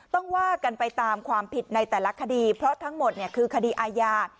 ว่ากันไปตามความผิดในแต่ละคดีเพราะทั้งหมดคือคดีอาญา